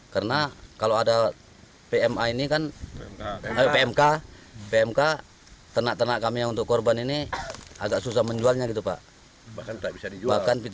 karena kalau ada pmk tenak tenak kami yang untuk korban ini agak susah menjualnya gitu pak